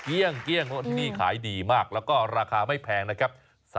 เกลี้ยงเพราะที่นี่ขายดีมากแล้วก็ราคาไม่แพงนะครับ